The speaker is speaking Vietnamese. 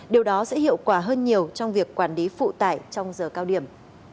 điều đó sẽ hiệu quả hơn nhiều trong việc quản lý phụ tải trong giờ cao điểm